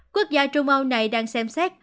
quốc gia trung âu này đang xem xét